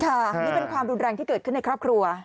อันนี้เป็นความรุนแรงที่เกิดขึ้นในครอบครัว